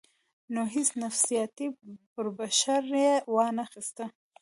نو هېڅ نفسياتي پرېشر ئې وانۀ خستۀ -